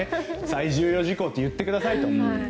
最優先事項と言ってくださいと。